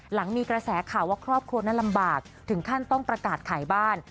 หลังมีกระแสข่าวว่าครอบครัวนั้นลำบากถึงขั้นต้องประกาศขายบ้าน